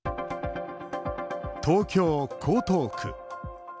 東京・江東区。